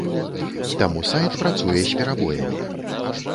Таму сайт працуе з перабоямі.